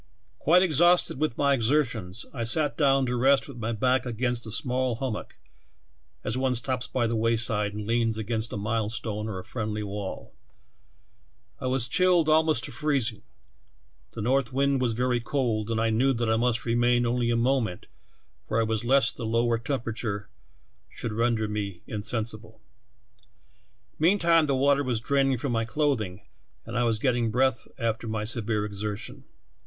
"Quite exhausted with my exertions, I sat down to rest with my back against a small hum mock, as one stops by the wayside and leans against a milestone or a friendly wall. I was chilled almost to freezing, the north wind was very cold, and I knew that I must remain only a moment where I was lest the low temperature should render me insensible. Meantime the water was draining from my clothing and I was getting breath after my severe exertion.